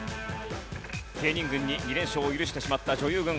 芸人軍に２連勝を許してしまった女優軍。